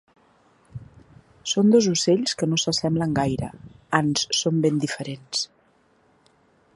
Són dos ocells que no s'assemblen gaire, ans són ben diferents.